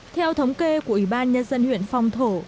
theo thống kê của ủy ban nhân dân huyện phong thổ